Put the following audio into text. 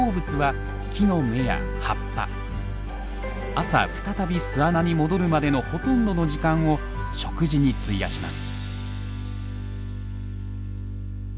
朝再び巣穴に戻るまでのほとんどの時間を食事に費やします。